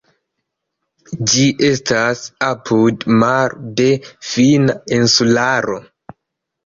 Ĝi estas apud maro de finna insularo.